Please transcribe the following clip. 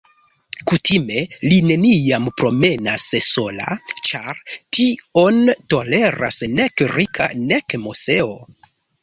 Kutime li neniam promenas sola, ĉar tion toleras nek Rika, nek Moseo.